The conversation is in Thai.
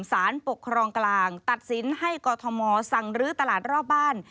สารปกครองกลางตัดสินให้กรทมสั่งลื้อตลาดรอบบ้าน